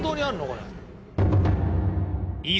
これ。